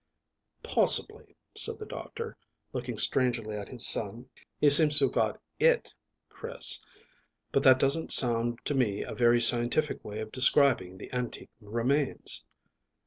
"Possibly," said the doctor, looking strangely at his son. "He seems to have got it, Chris, but that doesn't sound to me a very scientific way of describing the antique remains."